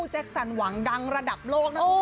เจ็กสันหวังดังระดับโลก